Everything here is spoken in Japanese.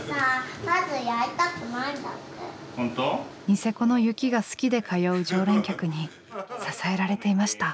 ニセコの雪が好きで通う常連客に支えられていました。